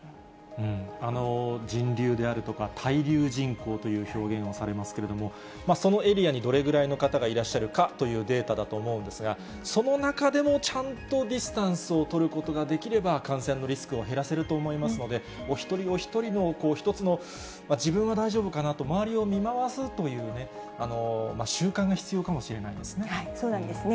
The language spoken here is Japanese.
人流であるとか、滞留人口という表現がされますけれども、そのエリアにどれぐらいの方がいらっしゃるかというデータだと思うんですが、その中でも、ちゃんとディスタンスを取ることができれば、感染のリスクを減らせると思いますので、お一人お一人の一つの、自分は大丈夫かなと、周りを見回すという習慣が必要かもしれないですね。